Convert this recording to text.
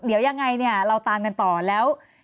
เดี๋ยวยังไงเนี่ยเราตามกันต่อแล้ว